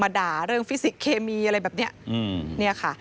มาด่าเรื่องฟิสิกส์เคมีอะไรแบบนี้